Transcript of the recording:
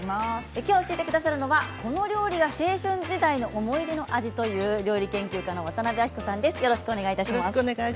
きょう教えてくださるのはこの料理が青春時代の思い出の味という料理研究家の渡辺あきこさんです。